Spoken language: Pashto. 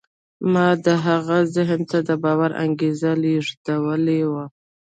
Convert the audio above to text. ما د هغه ذهن ته د باور انګېزه لېږدولې وه.